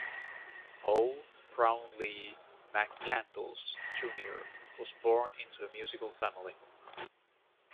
Paul Brownlee McCandless Junior was born into a musical family.